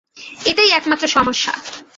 এটাই একমাত্র সমস্যা।